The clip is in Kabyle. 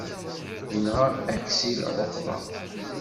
Yenɣa Aksil ɛuqba.